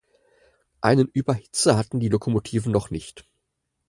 Einen Überhitzer hatten die Lokomotiven noch nicht.